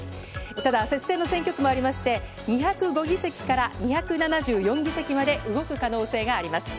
ただ、接戦の選挙区もありまして、２０５議席から２７４議席まで動く可能性があります。